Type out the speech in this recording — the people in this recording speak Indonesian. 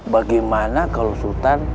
bagaimana kalau sultan